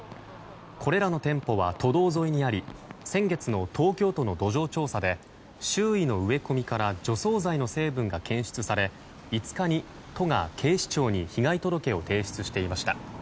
これらの店舗は都道沿いにあり先月の東京都の土壌調査で周囲の植え込みから除草剤の成分が検出され５日に都が警視庁に被害届を提出していました。